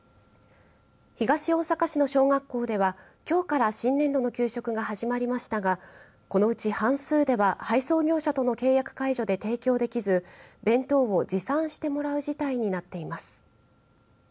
東大阪市の小学校ではきょうから新年度の給食が始まりましたがこのうち半数では配送業者との契約解除で提供できず、弁当を持参してもらう事態になっています。